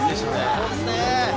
そうですね。